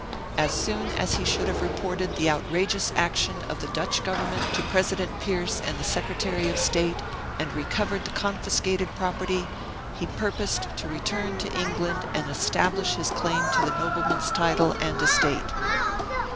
As soon as he should have reported the outrageous action of the Dutch government to President Pierce and the Secretary of State, and recovered the confiscated property, he purposed to return to England and establish his claim to the nobleman's title and estate.